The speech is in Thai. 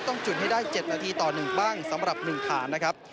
จุดให้ได้๗นาทีต่อ๑บ้างสำหรับ๑ฐานนะครับ